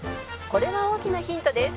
これは大きなヒントです」